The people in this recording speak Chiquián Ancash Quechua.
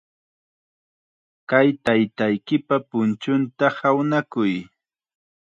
Kay taytaykipa punchunta hawnakuy.